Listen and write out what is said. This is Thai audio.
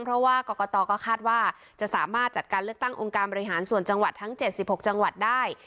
เพราะว่ากรกตก็คาดว่าจะสามารถจัดการเลือกตั้งองค์การบริหารส่วนจังหวัดทั้ง๗๖จังหวัดได้